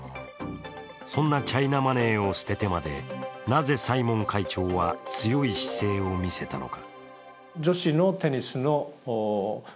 そんなチャイナマネーを捨ててまで、なぜサイモン会長は強い姿勢を見せたのか。